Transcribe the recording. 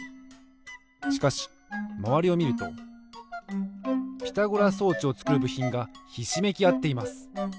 しかしまわりをみるとピタゴラ装置をつくるぶひんがひしめきあっています。